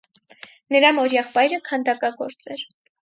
Նրա մորեղբայրը քանդակագործ էր։